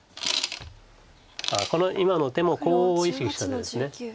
この今の手もコウを意識した手です。